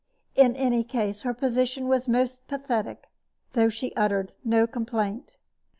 In any case, her position was most pathetic, though she uttered no complaint.